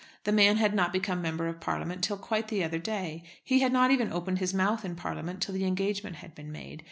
The man had not become Member of Parliament till quite the other day. He had not even opened his mouth in Parliament till the engagement had been made.